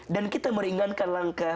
dan kita meringankan langkah